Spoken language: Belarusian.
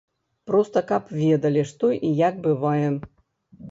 Проста, каб ведалі, што і як бывае.